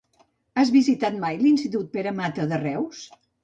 Has visitat mai l'institut Pere Mata de Reus?